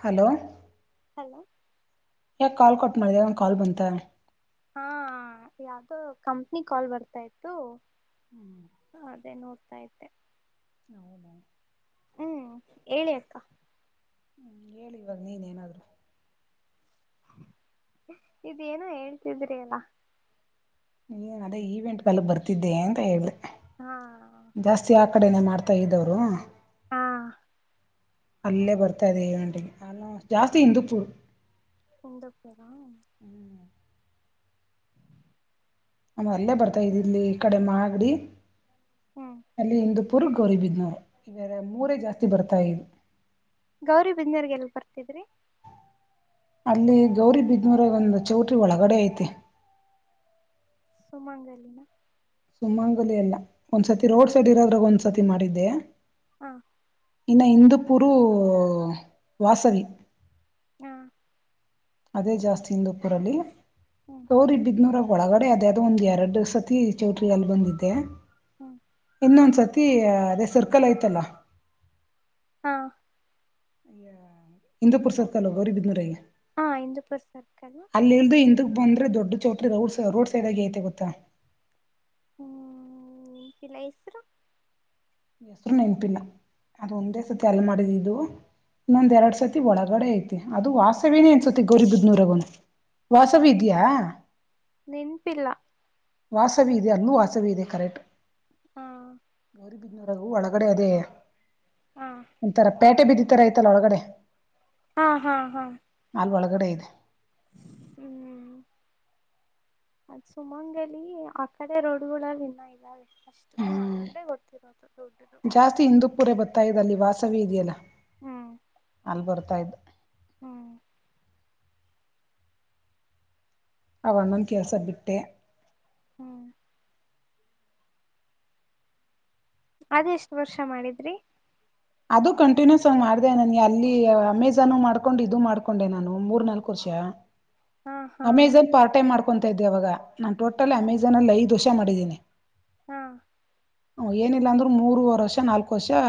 Hello. Hello ಯಾಕ್ call cut ಮಾಡಿದೆ ಯಾವ್ದನ ಕಾಲ್ ಬಂತ. ಹಾ ಯಾವ್ದೋ ಕಂಪ್ನಿ ಕಾಲ್ ಬರ್ತಾ ಇತ್ತು. ಅದೇ ನೋಡ್ ತಾ ಇದ್ದೆ. ಹೌದಾ. ಹ್ಮ್ ಹೇಳಿ ಅಕ್ಕ. ಹ್ಮ್ ಹೇಳಿ ಇವಾಗ ನೀನ್ ಏನಾದ್ರು. ಇದೇನೋ ಹೇಳ್ತಿದ್ರಿ ಅಲ್ಲ. ಏನ್ ಅದೇ ಈವೆಂಟ್ಗೆಲ್ಲ ಬರ್ತಿದ್ದೆ ಅಂತ ಹೇಳ್ದೆ. ಹಾ. ಕಡೆನೆೇ ಮಾಡ್ತಾ ಇದ್ದವರು. ಹಾ. ಅಲ್ಲೇ ಬರ್ತಾ ಇದೆ ಈವೆಂಟಿಗೆ ಅಲ್ಲ ಜಾಸ್ತಿ ಇಂದೂಪೂರ್. ಇಂದೂಪೂರಾ. ಆಮೇಲ್ಅಲ್ಲೇ ಬರ್ತಾ ಇದಿದ್ ಇಲ್ಲಿ ಈ ಕಡೆ ಮಾಗಡಿ. ಹ್ಮ್ ಅಲ್ಲಿ ಇಂದು ಪುರ್ ಗೌರಿಬಿದ್ನೂರ ಇವೆ ಮೂರೇ ಜಾಸ್ತಿ ಬರ್ತಾ ಗೌರಿಬಿದನೂರಿಗೆಲ್ ಬರ್ತಿದ್ರಿ. ಅಲ್ಲಿ ಗೌರಿಬಿದ್ನೂರಾಗ್ ಒಂದು ಚೌಟ್ರಿ ಒಳಗಡೆ ಐತೆ. ಸುಮಂಗಲಿನಾ. ಸುಮಂಗಲಿ ಅಲ್ಲ ಒಂದ್ಸತಿ ರೋಡ್ ಸೈಡ್ ಇರೋದ್ರಾಗ ಒಂದ್ಸರ್ತಿ ಮಾಡಿದ್ದೆ. ಹಾ. ಇನ್ನ ಇಂದೂಪುರು ವಾಸವಿ. ಹಾ. ಅದೇ ಜಾಸ್ತಿ ಇಂದೂಪುರಲ್ಲಿ. ಹ್ಮ್ ಗೌರಿಬಿದ್ನೋರಾಗ್ ಒಳಗಡೆ ಅದ್ಯಾದೊ ಒಂದ್ ಎರಡು ಸತಿ ಚೌಟ್ರಿ ಅಲ್ಲಿ ಬಂದಿದ್ದೆ. ಹ್ಮ್. ಇನ್ನೊಂದ್ಸತೀ ಅದೇ ಸರ್ಕಲ್ ಐತಲ್ಲ ಹಾ. ಇಂದೂಪುರ್ ಸರ್ಕಲ್ಲು ಗೌರಿ ಬಿದ್ನೂರಾಗೆ ಹಾ ಇಂದೂಪುರ್ ಸರ್ಕಲ್ ಅಲ್ಲಿಳ್ದು ಇಂದು ಬಂದ್ರೆ ದೊಡ್ಡ ಚೌಟ್ರಿ ರೌಡ್ಸ್ ರೋಡ್ ಸೈಡಾಗೆ ಐತೆ ಗೊತ್ತಾ. ಹ್ಮ್ ಇಲ್ಲ ಹೆಸ್ರು. ಹೆಸ್ರು ನೆನ್ಪಿಲ್ಲ. ಅದ್ ಒಂದೇ ಸತಿ ಅಲ್ಲಿ ಮಾಡಿದೀವಿ. ದು ಇನ್ನೊಂದ್ ಎರಡ್ ಸತಿ ಒಳಗಡೆ ಐತೆ ಅದು ವಾಸವೀನೆ ಅನ್ಸುತ್ತೆ ಗೌರಿಬಿದ್ನೂರಗೂನು. ವಾಸವಿ ಹ್ಮ್ ಇದ್ಯಾ. ನೆನ್ಪಿಲ್ಲ ವಾಸವಿ ಇದ್ಯಾ ಅಲ್ಲೂ ವಾಸವಿ ಇದೆ ಕರೆಕ್ಟ್. ಹಾ. ಬಿದ್ನುರಾಗೂ ಒಳಗಡೆ ಅದೇ. ಹಾ ಒಂತರ ಪೇಟೆ ಬೀದಿ ತರ ಐತಲ್ಲ ಒಳಗಡೆ. ಹಾ ಹಾ ಹಾ. ಒಳಗಡೆ ಇದೆ. ಹ್ಮ್ ಅದ್ ಸುಮಂಗಲೀ ಆ ಕಡೆ ರೋಡುಗುಳಲ್ ಇನ್ನ ಇದಾವೆ ಅಷ್ಟು ಹೂ ಹ್ಮ್ ಅದೊಂದೆ ಗೊತ್ತಿರೋದ್. ಜಾಸ್ತಿ ಇಂದೂಪುರ ಬತ್ತಾ ಇದ್ದಲ್ಲಿ ವಾಸವಿ ಇದೆಯಲ್ಲ ಹ್ಮ್ ಅಲ್ಲಿ ಬರ್ತಾ ಇದ್ದೆ. ಹ್ಮ್ ಅವಣ್ಣನ್ ಕೆಲ್ಸ ಬಿಟ್ಟೆ. ಹ್ಮ್. ಅದ್ ಎಷ್ಟ್ ವರ್ಷ ಮಾಡಿದ್ ರಿ ಅದು ಕಂಟಿನ್ಯೂಸ್ ಆಗ್ ಮಾಡ್ದೆ ನಾನ್ ಅಲ್ಲಿ ಅಮೆಜಾನ್ ಮಾಡ್ಕೊಂಡು ಇದು ಮಾಡ್ಕೊಂಡೆ ನಾನು ಮೂರ್ ನಾಲ್ಕ್ ವರ್ಷ. ಹಾ ಹಾ ಅಮೆಜಾನ್ ಪಾರ್ಟ್ ಟೈಮ್ ಮಾಡ್ ಕೊಂತಾ ಇದ್ದೆ ಅವಾಗ ನಾನ್ ಟೋಟಲ್ ಅಮೆಜಾನ್ ಅಲ್ಲಿ ಐದು ವರ್ಷ ಮಾಡಿದಿನಿ. ಹಾ. ಹು ಏನಿಲ್ಲಾ ಅಂದ್ರು ಮೂರುವರ್ ವರ್ಷ ನಾಲ್ಕು ವರ್ಷಾ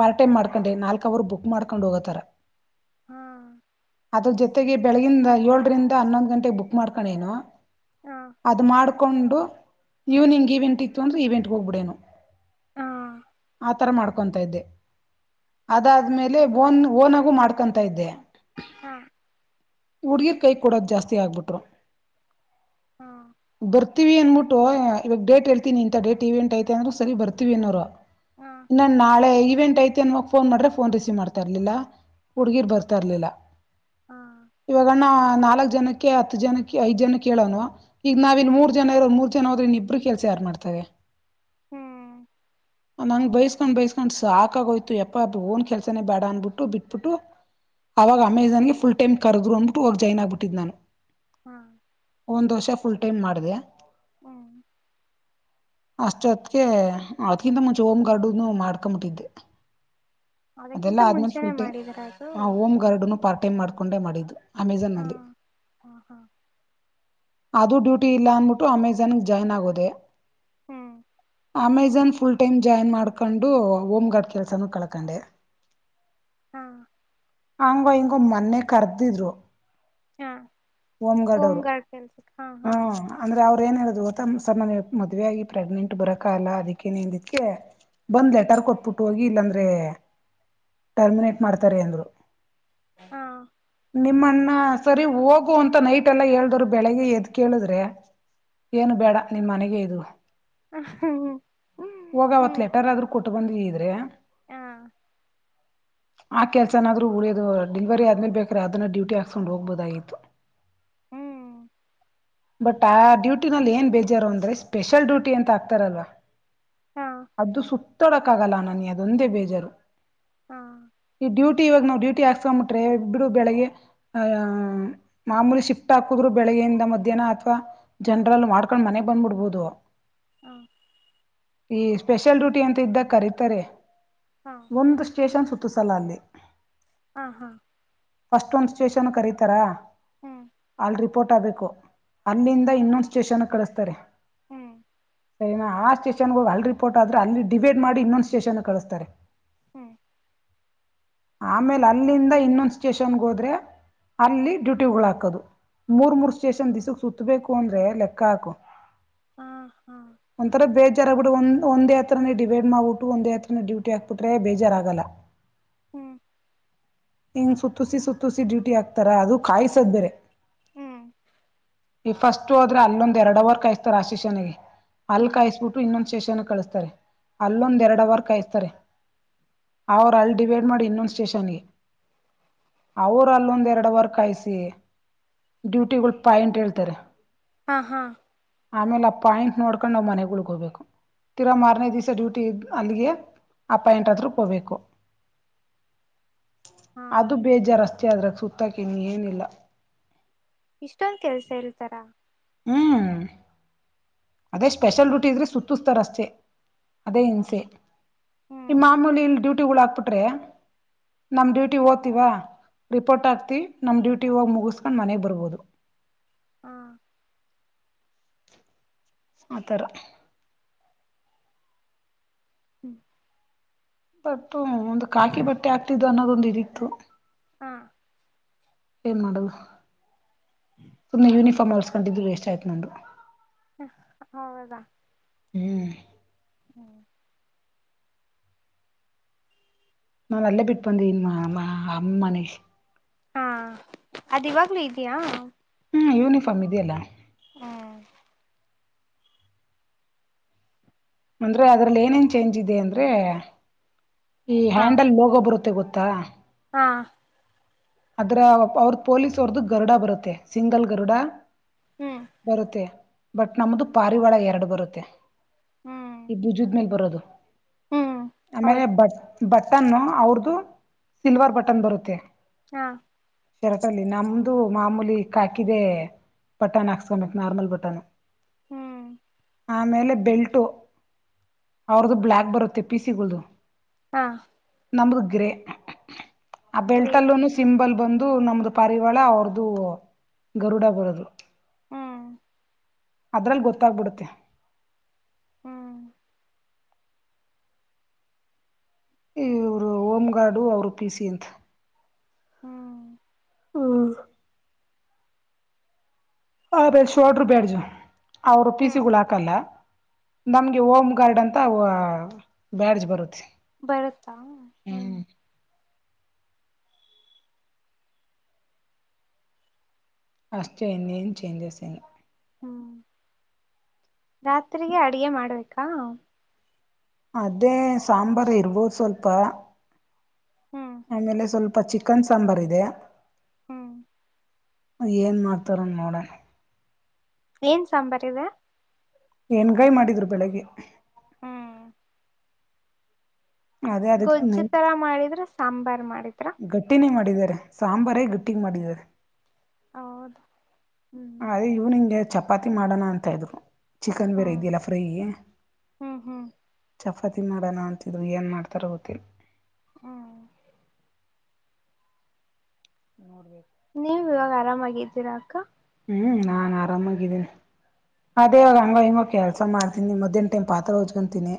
ಪಾರ್ಟೈಮ್ ಮಾಡ್ಕಂಡೆ ನಾಲ್ಕ್ ಅವರ್ ಬುಕ್ ಮಾಡ್ಕೊಂಡ್ ಹೋಗೋತರ. ಹಾ. ಅದ್ರ ಜೊತೆಗೆ ಬೆಳಗಿಂದ ಯೋಳರಿಂದ ಹನ್ನೊಂದ್ ಗಂಟೆಗೆ ಬುಕ್ ಮಾಡ್ಕಣೇನು. ಹಾ ಅದ್ ಮಾಡ್ ಕೊಂಡು ಈವ್ನಿಂಗ್ ಇವೆಂಟ್ ಇತ್ತು ಅಂದ್ರೆ ಈವೆಂಟ್ಗೆ ಹೋಗ್ಬಿಡೇನು. ಹಾ ಆತರ ಮಾಡ್ಕೊಂತ ಇದ್ದೆ. ಅದಾದ್ಮೇಲೇ ಬೋನ್ನೂ ಓನಾಗೂ ಮಾಡ್ಕೊಂತ ಇದ್ದೆ. ಹಾ. ಹುಡ್ಗೀರ್ ಕೈ ಕೂಡದ್ ಜಾಸ್ತಿ ಆಗ್ಬಿಟ್ರು. ಹಾ ಬರ್ ರ್ತಿವಿ ಅಂದ್ಬಿಟ್ಟು ಇವಾಗ್ ಡೇಟ್ ಹೇಳ್ತಿನಿ ಇಂತ ಡೇಟ್ ಇವೆಂಟ್ ಐತೆ ಅಂದರೆ ಸರಿ ಬರ್ತಿವಿ ಅನ್ನೋರು. ಹಾ ಇನ್ನ ನಾಳೆ ಇ ಐತಿ ಅನ್ವಾಗ ಫೋನ್ ಮಾಡ್ರೆ ಫೋನ್ ರಿಸೀವ್ ಮಾಡ್ತಾ ಇರ್ಲಿಲ್ಲ ಹುಡ್ಗೀರ್ ಬರ್ತಾ ಇರ್ಲಿಲ್ಲ. ಹಾ ಇವಾಗಣ್ಣ ನಾಲ್ಕ್ ಜನಕ್ಕೆ ಹತ್ತು ಜನಕ್ಕೆ ಐದ್ ಜನಕ್ಕೇಳೋನು ಈಗ ನಾವ ಇಲ್ಲಿ ಮೂರ್ ಜನ ಇರೋರ್ ಮೂರ್ ಜನ ಹೋದ್ರೆ ಇನ್ ಇಬ್ರು ಕೆಲ್ಸ ಯಾರ್ ಮಾಡ್ತಾರೆ. ಹ್ಮ್. ನಂಗ್ ಬೈಸ್ಕೊಂಡ್ ಬೈಸ್ಕೊಂಡ್ ಸಾಕ್ ಕಾಗೋಯ್ತು ಯಪ್ಪಾ ಓನ್ ಕೆಲ್ಸನೇ ಬೇಡ ಅನ್ಬಿಟ್ಟು ಬಿಟ್ಬಿಟ್ಟು ಅವಾಗ ಹ್ಮ್ ಅಮೇಜಾನಲ್ಲಿ ಫುಲ್ ಟೈಮ್ ಕರದ್ರು ಅಂದ್ಬುಟ್ಟು ಹೋಗ್ ಜಾಯ್ನ್ ಆಗ್ಬಿಟ್ಟಿದ್ದ ನಾನು. ಹಾ. ಒಂದ ವರ್ಷ ಫುಲ್ ಟೈಮ್ ಮಾಡಿದೆ. ಹ್ಮ್. ಅಷ್ಟೇ ಹೊತ್ಗೆ ಅದ್ಕಿಂತ ಮುಂಚೆ ಹೋಮ್ ಗಾರ್ಡನೂ ಮಾಡ್ಕೊಂಬಿಟ್ಟಿದ್ದೆ. ಅದೆಲ್ಲ ಅದಕ್ಕಿಂತ ಆದ್ಮೇಲೆ ಮುಂಚೆನೆ ಫುಲ್ ಟೈಮ್ ಮಾಡಿದರ ಅದು ಆ ಹೋಮ್ ಗಾರ್ಡ್ನು ಪಾರ್ಟ್ ಟೈಮ್ ಮಾಡ್ ಕೊಂಡೆ ಮಾಡಿದ್ದು. ಹಾ ಅಮೆಜಾನ್ನಲ್ಲಿ. ಹಾ ಹಾ ಅದೂ ಡ್ಯೂಟಿ ಇಲ್ಲ ಅನ್ಬಿಟ್ಟು ಅಮೆಜಾನ್ಗೆ ಜಾಯ್ನ್ ಆಗೋದೆ. ಹ್ಮ್. ಅಮೆಜಾನ್ ಫುಲ್ ಟೈಮ್ ಜಾಯ್ನ್ ಮಾಡ್ಕೊಂಡು ಹೋಮ್ಗಾಡ್ ಕೆಲ್ಸನ್ನು ಕಳಕಂಡೆ. ಹಾ. ಹಂಗೊ ಹಿಂಗೊ ಮೊನ್ನೆ ಕರ್ದಿದ್ರು. ಹಾ ಹೋಮ್ ಓಮ್ ಅವರು ಗಾರ್ಡ್ ಕೆಲ್ಸಕ್ ಹಾ ಹಾ. ಹ್ಮ ಅಂದ್ರೆ ಅವ್ರ ಏನ್ ಹೇಳಿದ್ರು ಗೊತ್ತಾ ಸರ್ ನನ್ಗೆ ಮದುವೆಯಾಗಿ ಪ್ರೆಗ್ನೆಂಟ್ ಬರಕ್ ಆಗಲ್ಲ ಅದಿಕ್ಕೆ ನಿಂದಕ್ಕೆ ಬಂದ್ ಲೆಟರ್ ಕೊಟ್ಬಿಟ್ ಹೋಗಿ ಇಲ್ಲಾಂದ್ರೆ ಟರ್ಮಿನೇಟ್ ಮಾಡ್ತಾರೆ ಅಂದ್ರು. ಹಾ. ನಿಮ್ಮಣ್ಣ ಸರಿ ಹೋಗು ಅಂತ ನೈಟ್ ಎಲ್ಲ ಹೇಳ್ದವ್ರು ಬೆಳಿಗ್ಗೆ ಎದ್ ಕೇಳಿದ್ರೆ, ಏನು ಬೇಡ ನೀನ್ ಮನೆಗೆ ಇರು. ಹ್ಮ್ ಹೋಗ ಅವತ್ ಹ್ಮ್ ಲೆಟರ್ ಆದ್ರೂ ಕೊಟ್ಟು ಬಂದೀ [unintelligible] ಹಾ. ಆ ಕೆಲ್ಸನಾದ್ರೂ ಉಳಿದು ಡಿಲಿವರಿ ಆದ್ಮೇಲ್ ಬೇಕ್ರೆ ಅದನ್ನ ಡ್ಯೂಟಿ ಹಾಕಸ್ಕೊಂಡು ಹೋಗ್ಬೋದಾಗಿತ್ತು. ಹ್ಮ್ ಬಟ್ ಆ ಡ್ಯೂಟಿನಲ್ಲಿ ಏನ್ ಬೇಜಾರು ಅಂದ್ರೆ ಸ್ಪೆಷಲ್ ಡ್ಯೂಟಿ ಅಂತ ಹಾಕ್ತಾರಲ್ವಾ ಹಾ ಅದು ಸು ತೊಡಕ್ಕಾಗಲ್ಲ ನಾ ನನ್ಗೆ ಅದೊಂದೇ ಬೇಜಾರು. ಹಾ. ಈ ಡ್ಯೂಟಿ ಇವಾಗ ನಾವು ಡ್ಯೂಟಿ ಹಾಕ್ಸ್ಕೊಂಡ್ಬಿಟ್ರೆ ಬಿಡು ಬೆಳಗ್ಗೆ ಅ ಮಾಮೂಲಿ ಶಿಫ್ಟ್ ಹಾಕುದ್ರು ಬೆಳಗ್ಗೆಯಿಂದ ಮಧ್ಯಾಹ್ನ ಅಥ್ವಾ ಜನರಲ್ ಮಾಡ್ಕೊಂಡ್ ಮನೆಗ್ ಬಂದ್ಬಿಡ್ಬಹದು. ಹಾ. ಈ ಸ್ಪೆಷಲ್ ಡ್ಯೂಟಿ ಅಂತ ಇದ್ದಾಗ ಕರಿತಾರೆ. ಹಾ ಒಂದು ಸ್ಟೇಷನ್ ಸುತ್ ತ್ತುಸಲ್ಲ ಅಲ್ಲಿ. ಹಾ ಹಾ. ಫಸ್ಟ್ ಒಂದ್ ಸ್ಟೇಷನ್ ಕರಿತಾರ. ಹ್ಮ್ ಅಲ್ರಿ ಫೋರ್ಟ್ ಆಗ್ಬೇಕು ಅಲ್ಲಿಂದ ಇನ್ನೊಂದು ಸ್ಟೇಷನ್ ಕಳಿಸ್ತಾರೆ. ಹ್ಮ್ ಸರಿನಾ ಆ ಸ್ಟೇಷನ್ಗೊಗ್ ಅಲ್ಲಿ ರಿಪೋರ್ಟ್ ಆದ್ರೆ ಅಲ್ಲಿ ಡಿವೈಡ್ ಮಾಡಿ ಇನ್ನೊಂದು ಸ್ಟೇಷನ್ ಕಳಸ್ತಾರೆ. ಹ್ಮ್. ಆಮೇಲೆ ಅಲ್ಲಿಂದ ಇನ್ನೊಂದು ಸ್ಟೇಷನ್ಗೆೋದ್ರೆ ಅಲ್ಲಿ ಡ್ಯೂಟಿಗುಳ ಹಾಕದು ಮೂರ್ ಮೂರ್ ಸ್ಟೇಷನ್ ದಿಸಕ್ ಸುತ್ತಬೇಕು ಅಂದ್ರೆ ಲೆಕ್ಕ ಹಾಕು. ಹಾ ಹಾ. ತೆರಬಿಡು ಒಂದ ಒಂದೆ ಹತ್ರನೇ ಡಿವೈಡ್ ಮಾಡಬಿಟ್ಟು ಒಂದೇ ಹತ್ರ. ಡ್ಯೂಟಿ ಹಾಕ್ಬಿಟ್ರೆ ಬೇಜಾರಾಗಲ್ಲ. ಹ್ಮ್ ಹಿಂಗ್ ಸುತ್ತೂಸಿ ಸುತ್ತೂಸಿ ಡ್ಯೂಟಿ ಹಾಕ್ತಾರಾ ಅದು ಕಾಯಸದ್ ಬೇರೆ. ಹ್ಮ್ ಈ ಫಸ್ಟ್ ಹೋದ್ರೆ ಅಲ್ಲೊಂದ್ ಎರಡು ಅವರ್ ಕಾಯ್ಸ್ತಾರೆ ಆ ಶಷ್ಯನಿಗೆ ಅಲ್ಲಿ ಹ್ಮ್ ಕಾಯಸ್ಬಿಟ್ಟು ಇನ್ನೊಂದ ಶಷನ್ ಕಳಿಸ್ತಾರೆ ಅಲ್ಲೊಂದ ಎರಡ್ ಅವರ್ ಕಾಯಸ್ತಾರೆ ಸರಿ ಅವ್ರ ಅಲ್ಲಿ ಡಿವೈಡ್ ಮಾಡಿ ಇನ್ನೊಂದ ಸ್ಟೇಷನ್ಗೆ ಅವರು ಅಲ್ಲೊಂದ್ ಎರಡು ಅವರ್ ಕಾಯಿಸಿ ಡ್ಯೂಟಿಗುಳ ಪಾಯಿಂಟ್ ಹೇಳ್ತಾರೆ. ಹಾ ಹಾ ಆಮೇಲೆ ಆ ಪಾಯಿಂಟ್ ನೋಡ್ಕೊಂಡು ನಾವು ಮನೆಗುಳಗ್ ಹೊಗ್ಬೇಕು ತಿರಾ ಮಾರನೇ ದಿವ್ಸ ಡ್ಯೂಟಿ ಅಲ್ಲಿಗೆ. ಅಪ್ಪಾಯಂಟ್ ಆದ್ರೂಬೇಕು. ಹಾ ಅದು ಬೇಜಾರ ಅಷ್ಟೆ ಆದ್ರ ಸುತ್ತ. ಇನ್ನೇನಿಲ್ಲ. ಇಷ್ಟೊಂದ ಕೆಲ್ಸ ಇರ್ತಾರ. ಹ್ಮ್ ಅದೇ ಸ್ಪೆಷಲ್ ಡ್ಯೂಟಿ ಇದ್ರೆ ಸುತ್ತುಸ್ತಾರೆ ಅಷ್ಟೇ ಅದೇ ಹಿಂಸೆ. ಹ್ಮ್ ಮಾಮೂಲಿಲ್ಲಿ ಡ್ಯೂಟಿಗಳ ಹಾಕ್ ಪುಟ್ರೆ ನಮ್ಮ ಡ್ಯೂಟಿ ಹೋಗ್ತೀವಾ ರಿಪೋರ್ಟ್ ಆಕ್ತಿವ್ ನಮ್ಮ ಡ್ಯೂಟಿ ಹೋಗಿ ಮುಗಿಸ್ಕೊಂಡು ಮನೆಗೆ ಬರ್ಬೋದು. ಹ್ಮ [inaudible] ಆತರ. ಹ್ಮ್ ಪಪ್ ಪುಂ ಒಂದು ಕಾಕಿ ಬಟ್ಟೆ ಆಕ್ತಿದ್ದ. ಅನ್ನದೊಂದು ಇದಿತ್ತು. ಹಾ ಏನ್ ಮಾಡದು. ಸುಮ್ನೆ ಯೂನಿಫ್ ಒರ್ಸ್ ಗಂಟಿದಿದ್ದು ವೇಸ್ಟ್ ಆಯ್ತು ನಂದು. ಉಫ್ ಹೌದಾ. ಹ್ಮ್ ಹ್ಮ್ ನಾವು ಅಲ್ಲೇ ಬಿಟ್ಟು ಬಂದೀನಿಮಾ ಅಮ್ಮಾ ಅಮ್ಮನೇಶ್. ಹಾ ಅದ್ ಇವಾಗ್ಲೂ ಇದಿಯಾ. ಹ್ಮ್ ಯೂನಿಫಾರ್ಮ್ ಇದೆಯಲ್ಲ. ಹ್ಮ್. ಅಂದ್ರೆ ಅದ್ರಲ್ಲಿ ಏನೇನ್ ಚೇಂಜ್ ಇದೆ ಅಂದ್ರೆ. ಈ ಹಾ ಹ್ಯಾಂಡಲ್ ಲೋಗೋ ಬರುತ್ತೆ. ತ್ತ ಗೊತ್ತಾ. ಹಾ ಅದ್ರ ಅವರದು ಪೋಲಿಸ್ ಅವರದು ಗರುಡ ಬರುತ್ತೆ ಸಿಂಗಲ್ ಗರುಡ. ಹ್ಮ್ ಬರುತ್ತೆ. ಬಟ್ ನಮ್ದು ಪಾರಿವಾಳ ಎರಡು ಬರುತ್ತೆ ಹ್ಮ್ ಈ ಬಜುದ್ ಮೇಲ್ ಬರೋದು. ಹ್ಮ್ ಆಮೇಲೆ ಹೌದು ಬಟ್. ಬಟನ್ ಅವ್ರದು ಸಿಲ್ವರ್ ಬಟನ್ ಬರುತ್ತೆ. ಹಾ ಶರ್ಟ್ ಅಲ್ಲಿ ನಮ್ದು ಮಾಮೂಲಿ ಕಾಕಿದೆ ಬಟನ್ ಹಾಕಿಸ್ಕೊಬೇಕು ನಾರ್ಮಲ್ ಬಟಾನ್. ಹ್ಮ್ ಆಮೇಲೆ ಬೆಲ್ಟು ಅವ್ರದುು ಬ್ಲ್ಯಾಕ್ ಬರುತ್ತೆ ಪಿ ಸಿ ಗಳದು. ಹಾ ನಮ್ದು ಗ್ರೇ. ಆ ಬೆಲ್ಟ ಗ್ರೇ ಅಲ್ಲೂನು. ಕಲರ್ ಸಿಂಬಲ್ ಬಂದು ನಮ್ದು. ಪರಿವಾಳ ಅವ್ರದುು ಗರುಡ ಬರದು. ಹ್ಮ್ ಅದ್ರಲ್ಲಿ ಗೊತ್ತಾಗಬಿಡುತ್ತೆ. ಹ್ಮ್ ಇವರು ಹೋಮ್ ಗಾರ್ಡು ಅವರು ಪಿ ಸಿ ಅಂತ. ಹ್ಮ್ ಹ್ಮ. ಹಾ ಬ ಶೋಡರ ಬ್ಯಾಡ್ಜ. ಅವರು ಪಿ ಸಿ ಹ್ಮ್ ಗಳು ಹಾಕಲ್ಲ. ನಮ್ಗೆ ಹೋಮ್ ಗಾರ್ಡ್ ಅಂತ ಬ್ಯಾಡ್ಜ್ ಬರುತ್ತೆ. ಬರುತ್ತಾ ಹ್ಮ್. ಅಷ್ಟೇ ಇನ್ನೇನು ಚೇಂಜಸ್ ಇಲ್ಲ. ಹ್ಮ್ ರಾತ್ರಿಗೆ ಅಡಗೆ ಮಾಡ್ಬೇಕಾ. ಅದೇ ಸಾಂಬಾರ ಇರ್ಬೋದು ಸ್ವಲ್ಪ. ಹ್ಮ್ ಆಮೇಲೆ ಸ್ವಲ್ಪ. ಚಿಕನ್ ಸಾಂಬಾರ ಇದೆ. ಹ್ಮ. ಏನ್ ಮಾಡ್ತಾರ ನೋಡೋಣ. ಏನ್ ಸಾಂಬರ್ ಇದೆ. ಎಣ್ಗಾಯ್ ಮಾಡಿದ್ರು ಬೆಳಿಗ್ಗೆ. ಅದೇ ಅದಕ್ಕೆ ಗೊಜ್ಜಿ ತರ ಮಾಡಿದ್ರ ಸಾಂಬಾರ್ ಮಾಡಿದ ಗಟ್ಟಿನೇ ಮಾಡಿದ್ದಾರೆ ಸಾಂಬಾರೇ ಗಟ್ಟಿಗೆ ಮಾಡಿದ್ದಾರೆ. ಹೌದ. ಅ ಈವನಂಗ. ಚಪಾತಿ ಮಾಡೋಣ ಅಂತ ಇದ್ರು. ಚಿಕನ್ ಬೇರೆ ಹ್ಮ್ ಇದಲ್ಲ ಫ್ರೈ ಹ್ಮ್ ಹ್ಮ್ ಚ ಆಫಾತಿ ಮಾಡೋಣ ಅಂತಿದ್ರು ಏನ್ ಮಾಡ್ತಾರ ಗೊತ್ತಿಲ್ಲ. ಹ್ಮ ನೋಡ್ಬೇಕು ನೀವ ಇವಾಗ ಆರಾಮಾಗಿದ್ದೀರಾ. ಕ ಹ್ಮ್ ನಾನ್ ಆರಾಮಾಗಿದ್ದೀನಿ ಅದೇವಾಗ ಹಂಗ ಹಂಗ ಕೆಲಸ ಮಾಡ್ತೀನಿ ಮಧ್ಯಾಹ್ ಟೈಮ್ ಪಾತ್ರ ಹೊಜ್ಕೊಂತೀನಿ.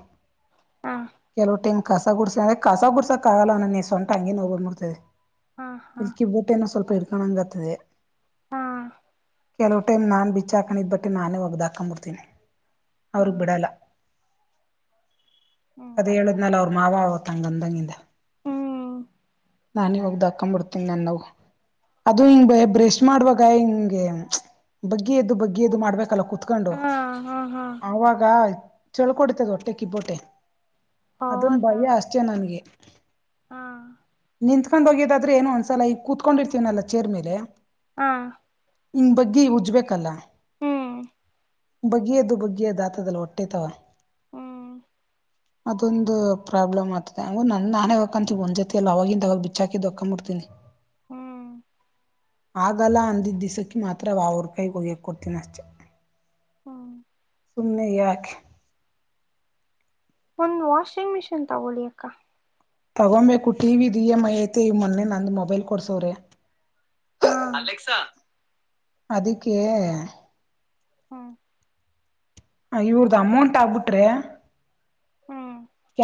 ಹಾ ಕೆಲವ ಟೈಮ್. ಕಸ ಗುಡ್ಸೆ ಕಸ ಗುಡ್ಸಕ್ ಆಗಲ್ಲ ನನಗೆ ಸೊಂಟ ಹಂಗೆ ನೋವ್ವು ಬಂದಬುಡುತ್ತೆ. ಹಾ ಹಾ ಹಿಲ್ಕಿ ಬೂಟೆನ ಸ್ವಲ್ಪ. [unintelligible] ಕತ್ತದೆ ಹಾ ಕೆಲವು ಟೈಮ ನಾನ್ ಬಿ ಚಾಕನದ್ ಬಟ್ಟೆ ನಾನೇ ಒಗ್ದ ಹಾಕೊಂಬಡ್ತನಿ. ಹಾ ಅವ್ರಗ್ ಬಿಡಲ್ಲ. ಅದ ಹ್ಮ್ ಹೇಳದ್ ನಲ್ ಅವ್ರ. ಮಾವ ಅವತ್ತಂಗಂದಗಿಂದ. ಹ್ಮ್ ನಾನಿ ಇವಾಗಿದ ಇದ ಹಾಕ್ ಬಿಡ್ತೀನ ನನ್ನ ಅದು ಹಿಂಗ್ ಬ್ರಷ್ ಮಾಡುವಾಗ ಹಿಂಗೆ ಬಗ್ಗಿ ಎದ್ದು ಬಗ್ಗಿ ಎದ್ದು ಮಾಡ್ಬೇಕಲ್ಲ ಕೂ ಕತ್ಕೊಂಡು ಹಾ ಹಾ ಹಾ ಅವಾಗ. ಚೊಕ್ ಹೊಡಿತದೆ ಹೊಟ್ಟೆ ಕಿಬ್ಬೋಟ್ಟೆ. ಅದೊಂದು ಹೌದಾ ಭಯ ಅಷ್ಟೇ ನನ್ಗೆ. ಹಾ ನಿಂತ್ಕೊಂಡು ಹೋಗೆದಾದ್ರೆ ಏನು ಅನಸಲ ಈಗ ಕೂತ್ಕೊಂಡಿರ್ತಿನಿ ಅಲ್ಲ ಚೇರ್ ಮೇಲೆ. ಹಾ ಹಿಂಗ್ ಬಗ್ಗೆ ಉಜ್ಬೇಕಲ್ಲಾ. ಹ್ಮ್ ಬಗ್ಗಿ ಎದ್ದು ಬಗ್ಗಿ ಎದ್ದು ಆತದಲ್ಲ ಹೊಟ್ಟೆತವ. ಹ್ಮ್ ಅದೊಂದು ಪ್ರಾಬ್ಲಮ್ ಆತದೆ ಅಂಗ ನನ್ ನಾನೇ ಹೊಕಂತೀ ಒಂದ್ ಜತಿ ಎಲ್ಲ ಅವವಾಗಿಂದಾಗ ಬಿಚ್ಚಾಕಿದ್ಕ್ಕಂಬಿಡ್ತೀನಿ. ಹ್ಮ್ ಆಗಲ್ಲ ಅಂದಿದ್ದ ದಿವಸಕ್ಕೆ ಮಾತ್ರ ಆ ಅವ್ರ್ ಕೈ ಹೊಗಿಯಾಕ್ಕೊಡ್ತೀನ ಅಷ್ಟೆ. ಹ್ಮ ಸುಮ್ನೆ ಯಾಕೆ. ಒಂದ್ ವಾಷಿಂಗ್ ಮಿಷಿನ್ ತಗೊಳಿ ಅಕ್ಕ. ತಗೊಂಬೇಕು ಟಿ ವಿದು ಇ ಎಂ ಐ ಐತೆ ಇ ಮೊನ್ನೆ ನಂದು ಮೊಬೈಲ್ ಕೊಡ್ಸೋವ್ರೆ. ಹ್ಮ ಅಲೆಕ್ಸಾ. ಅದಕ್ಕೆ ಹ್ಮ ಹ ಇವ್ರ್ದ ಅಮೌಂಟ್ ಆಗ್ಬಿಟ್ರೆ. ಹ್ಮ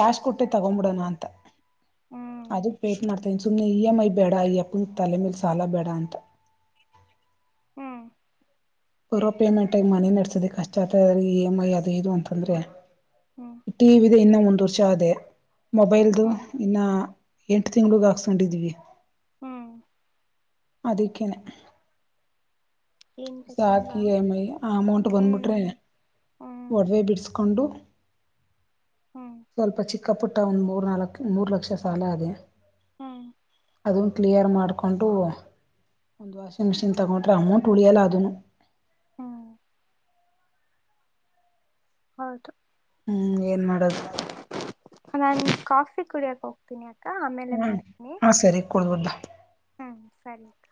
ಕಸ್ಕೊಟ್ಟೆ ತಗೋಬೀಡನಾ ಅಂತ. ಹ್ಮ್ ಅದು ಪೇಟ್ನಾ ಸುಮ್ನೆ ಇ ಎಂ ಐ ಬೇಡ ಇಯ್ಯಪ್ಪನ ತಲೆ ಮೇಲೆ ಸಾಲ ಬೇಡ ಅಂತ. ಹ್ಮ್ ಬರೋ ಪೇಮೆಂಟ್ಗೇ ಮನೆ ನಡ್ಸದೆ ಕಷ್ಟ ಆಗ್ತದೇ ಇ ಎಮ್ ಐ ಅದು ಇದು ಅಂತಂದ್ರೆ. ಹ್ಮ್. ಇನ್ನು ಒಂದು ವರ್ಷ ಅದೇ. ಮೊಬೈಲ್ದು ಹ್ಮ್ ಇನ್ನ. ಎಂಟು ತಿಂಗಳಿಗೆ ಹಾಕ್ಸ್ಕೊಂಡಿದ್ವಿ. ಹ್ಮ್ ಅದಿಕ್ಕೆ ನೇ. ಎಂಟು ಸಾಕು ತಿಂಗಳ ಈ ಎಂ ಏ, ಆ ಅಮೌಂಟ್ ಹ್ಮ್ ಬಂದ್ಬಿಟ್ರೆ ಹ್ಮ್ ಒಡವೆ ಬಿಡಿಸಕೊಂಡು. ಹ್ಮ್ ಸ್ವಲ್ಪ ಚಿಕ್ಕ. ಕ್ಕ ಪುಟ್ಟ ಒಂದು ಮೂರ್ ನಾಲ್ಕು ಮೂರು ಲಕ್ಷ ಸಾಲ ಅದೇ. ಹೂಂ ಅದನ್ನು ಕ್ಲಿಯರ್ ಮಾಡಿಕೊಂಡು ಒಂದು ವಾಷಿಂಗ್ ಮಿಷಿನ್ ತಗೊಂಡ್ರೆ ಅಮೌಂಟ್ ಉಳಿಯೋಲ್ಲ ಅದುನು. ಹ್ಮ್ ಹೌದು ಹ್ಮ್ ಏನ್ ಮಾಡದು. ನಾನ್ ಕಾಫಿ ಕುಡಿಯಾಕ್ ಹೋಗ್ತೀನಿ. ಕ್ಕ ಆಮೇಲೆ ಹ್ಞೂ ಮಾಡ್ತೀನಿ ಹಾಂ ಸರಿ ಕೊಡ್ಬೋದಾ [unintelligible] ಸರಿ ಅಕ್ಕ.